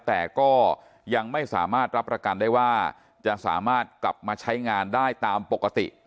แต่ก็ยังไม่สามารถรับประกันได้ว่าจะสามารถกลับมาใช้งานได้ตามปกติ